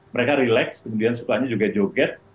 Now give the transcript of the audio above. mereka relax kemudian sukanya juga joget